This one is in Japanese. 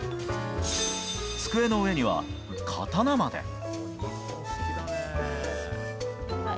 机の上には刀まで。